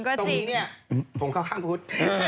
ตรงนี้เนี่ยผมเข้าข้างพุทธ